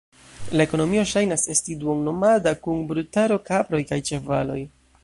La ekonomio ŝajnas esti duon-nomada, kun brutaro, kaproj kaj ĉevaloj.